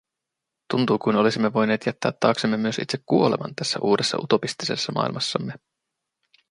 Tuntui kuin olisimme voineet jättää taaksemme myös itse kuoleman tässä uudessa utopistisessa maailmassamme.